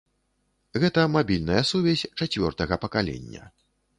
Гэта мабільная сувязь чацвёртага пакалення.